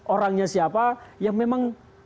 orangnya siapa yang memang